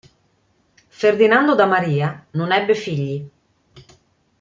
Ferdinando da Maria non ebbe figli.